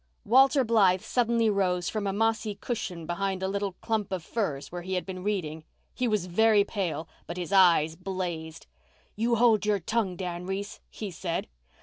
_" Walter Blythe suddenly rose from a mossy cushion behind a little clump of firs where he had been reading. He was very pale, but his eyes blazed. "You hold your tongue, Dan Reese!" he said.